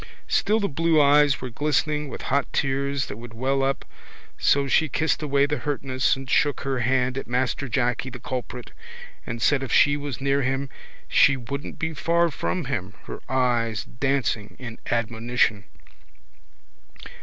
Still the blue eyes were glistening with hot tears that would well up so she kissed away the hurtness and shook her hand at Master Jacky the culprit and said if she was near him she wouldn't be far from him, her eyes dancing in admonition.